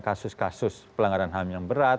kasus kasus pelanggaran ham yang berat